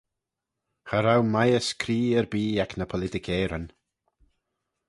Cha row mieys cree erbee ec ny politickeyryn.